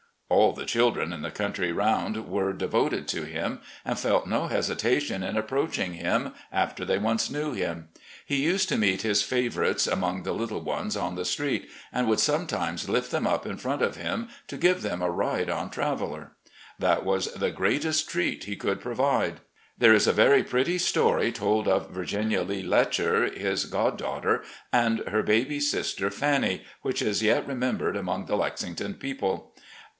" All the children in the country around were devoted to him, and felt no hesitation in approaching him, after they once knew him. He used to meet his favourites among the little ones on the street, and would sometimes lift them up in front of him to give them a ride on Traveller. That was the greatest treat he could provide. There is a very pretty story told of Virginia Lee Letcher, his god daughter, and her baby sister, Fannie, which is yet remembered among the Lexington people.